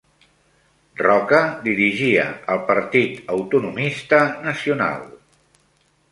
Roca dirigia el Partit Autonomista Nacional.